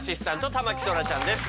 田牧そらちゃんです。